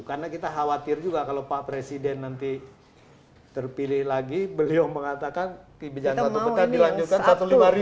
karena kita khawatir juga kalau pak presiden nanti terpilih lagi beliau mengatakan di bejana satu peta dilanjutkan satu ratus lima puluh ribu